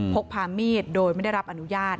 พกพามีดโดยไม่ได้รับอนุญาต